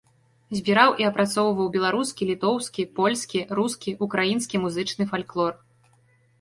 Збіраў і апрацоўваў беларускі, літоўскі, польскі, рускі, украінскі музычны фальклор.